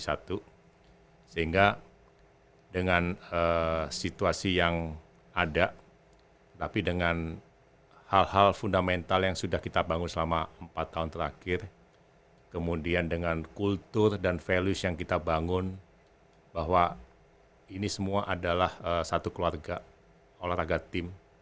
sehingga dengan situasi yang ada tapi dengan hal hal fundamental yang sudah kita bangun selama empat tahun terakhir kemudian dengan kultur dan values yang kita bangun bahwa ini semua adalah satu keluarga olahraga tim